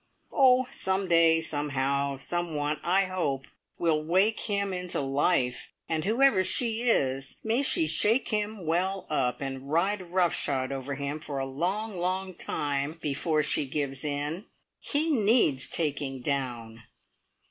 Oh, some day somehow some one I hope, will wake him into life, and whoever she is, may she shake him well up, and ride rough shod over him for a long, long time before she gives in! He needs taking down!